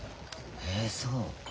へえそう。